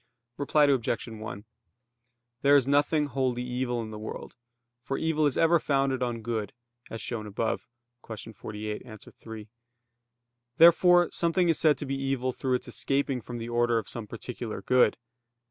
Reply Obj. 1: There is nothing wholly evil in the world, for evil is ever founded on good, as shown above (Q. 48, A. 3). Therefore something is said to be evil through its escaping from the order of some particular good.